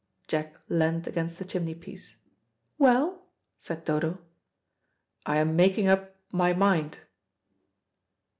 Jack leant against the chimney piece. "Well?" said Dodo. "I am making up my mind."